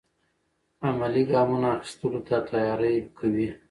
عملي ګامونو اخیستلو ته تیاری کوي.